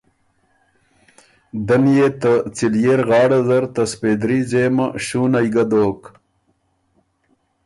ده نيې ته څليېر غاړه زر ته سپېدري ځېمه شُونئ ګه دوک